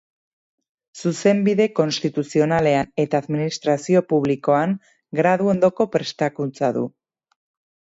Zuzenbide Konstituzionalean eta Administrazio Publikoan gradu-ondoko prestakuntza du.